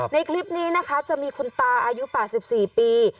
ในคลิปนี้นะคะจะมีคุณตาอายุ๘๔ปี